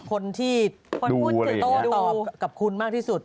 คนที่โต้ตอบกับคุณมากที่สุด